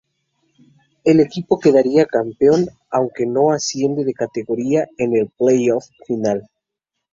El equipo quedaría campeón, aunque no asciende de categoría en el play-off final.